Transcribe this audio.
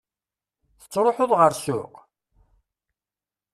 Tettruḥuḍ ɣer ssuq?